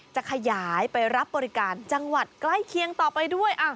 จะขยายไปรับบริการจังหวัดใกล้เคียงต่อไปด้วย